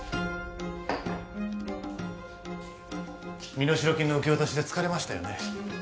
身代金の受け渡しで疲れましたよね